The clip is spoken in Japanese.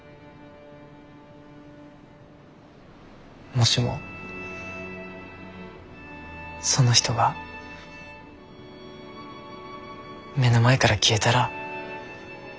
もしもその人が目の前から消えたら。